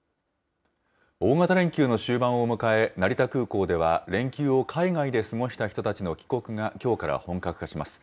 大型連休の終盤を迎え、成田空港では、連休を海外で過ごした人たちの帰国がきょうから本格化します。